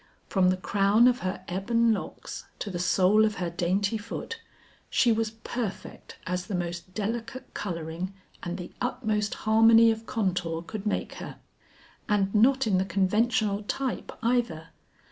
From the crown of her ebon locks to the sole of her dainty foot, she was perfect as the most delicate coloring and the utmost harmony of contour could make her. And not in the conventional type either.